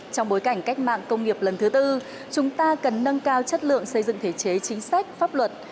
trong bối cảnh cách mạng công nghiệp lần thứ tư chúng ta cần nâng cao chất lượng xây dựng thể chế chính sách pháp luật